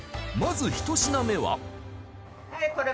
まずひと品目は。